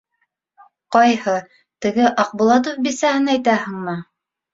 - Ҡайһы, теге Аҡбулатов бисәһен әйтәһеңме?